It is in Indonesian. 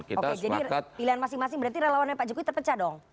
oke jadi pilihan masing masing berarti relawannya pak jokowi terpecah dong